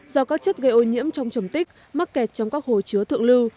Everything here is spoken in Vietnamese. do các chất gây ô nhiễm trong trầm tích mắc kẹt trong các hồ chứa thượng lưu